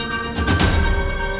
aku pengen ketemu mama